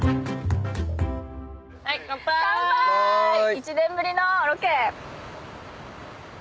１年ぶりのロケ！